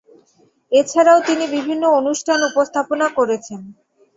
এছাড়াও, তিনি বিভিন্ন অনুষ্ঠান উপস্থাপনা করেছেন।